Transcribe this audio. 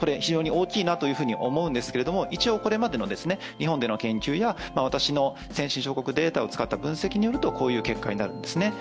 非常に大きいなと思うんですけれども、一応、これまでの日本での研究や、私の先進国情報を使った分析によるとこれくらいになるんですね。